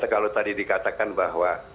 kalau tadi dikatakan bahwa